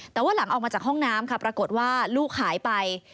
แต่ว่าหลังออกมาจากห้องน้ำค่ะปรากฏว่าลูกหายไป